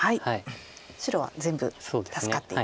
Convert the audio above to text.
白は全部助かっている。